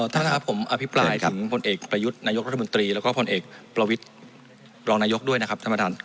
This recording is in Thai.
ท่านนะครับผมอภิปรายถึงพลเอกประยุทธ์นายกรัฐมนตรีแล้วก็พลเอกประวิทย์รองนายกด้วยนะครับท่านประธาน